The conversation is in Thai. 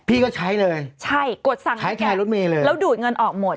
พี่ก็ใช้เลยใช้แทนรถเมฆเลยใช้กดสั่งการแล้วดูดเงินออกหมด